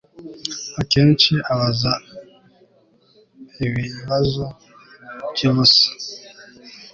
Akenshi abaza ibibazo byubusa